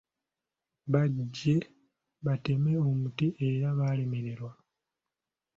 Baggye bateme omuti era baalemererwa.